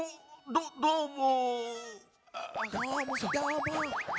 どどーも。